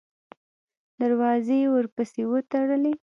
دروازې یې ورپسې وتړلې.